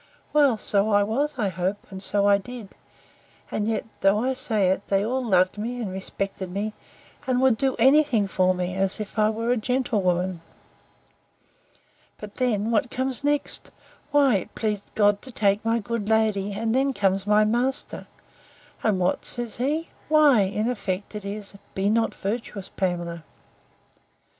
Well, so I was, I hope, and so I did; and yet, though I say it, they all loved me and respected me; and would do any thing for me, as if I was a gentlewoman. But, then, what comes next?—Why, it pleased God to take my good lady: and then comes my master: And what says he?—Why, in effect, it is, Be not virtuous, Pamela.